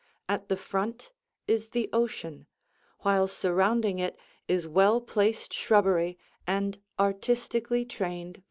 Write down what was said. At the front is the ocean, while surrounding it is well placed shrubbery and artistically trained vines.